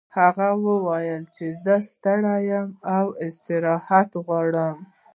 هغې وویل چې زه ستړې یم او استراحت غواړم